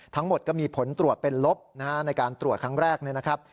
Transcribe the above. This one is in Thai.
ทั้งหมดก็มีผลตรวจเป็นลบในการตรวจครั้งแรกนะครับ